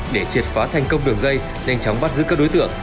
để triệt phá thành công đường dây nhanh chóng bắt giữ các đối tượng